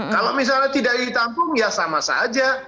kalau misalnya tidak ditampung ya sama saja